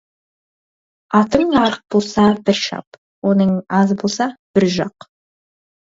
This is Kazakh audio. Атың арық болса, бір шап, отының аз болса, бір жақ.